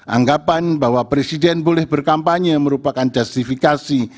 anggapan bahwa presiden boleh berkampanye merupakan justifikasi